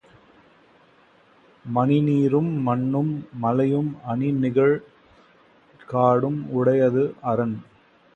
மணிநீரும் மண்ணும் மலையும் அணி நிழல் காடும் உடையது அரண்